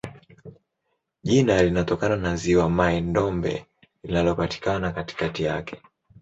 Jina linatokana na ziwa Mai-Ndombe linalopatikana katikati yake.